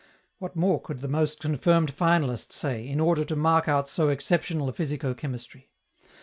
What more could the most confirmed finalist say, in order to mark out so exceptional a physico chemistry?